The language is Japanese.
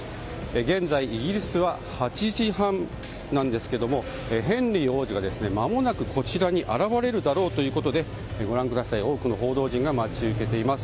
現在、イギリスは８時半なんですがヘンリー王子がまもなくこちらに現れるだろうということで多くの報道陣が待ち受けています。